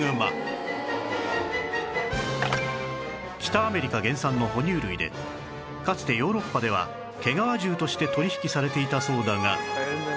北アメリカ原産の哺乳類でかつてヨーロッパでは毛皮獣として取引されていたそうだが